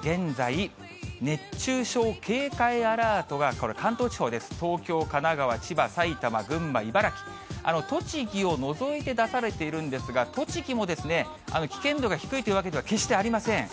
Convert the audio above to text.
現在、熱中症警戒アラートがこれ、関東地方です、東京、神奈川、千葉、埼玉、群馬、茨城、栃木を除いて出されているんですが、栃木もですね、危険度が低いというわけでは決してありません。